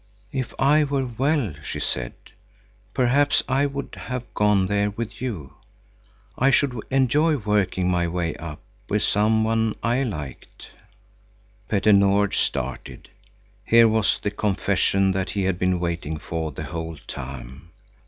"If I were well," she said, "perhaps I would have gone there with you. I should enjoy working my way up with some one I liked." Petter Nord started. Here was the confession that he had been waiting for the whole time.